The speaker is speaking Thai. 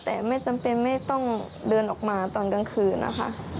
แต่ไม่จำเป็นไม่ต้องเดินออกมาตอนกลางคืนนะคะ